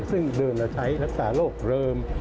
ซึ่งเดิมเราใช้รักษาโรคเดิม